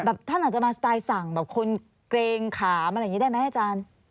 ท่านอาจจะมาสไตล์สั่งแบบคนเกรงขามอะไรอย่างนี้ได้ไหมอาจารย์